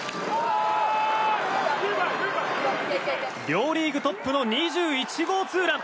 両リーグトップの２１号ツーラン。